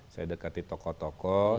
saya dekati tokoh tokoh